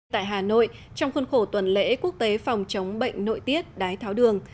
tại hà nội trong khuôn khổ tuần lễ quốc tế phòng chống bệnh nội tiết đái tháo đường